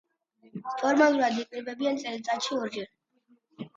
ფორმალურად იკრიბებიან წელიწადში ორჯერ.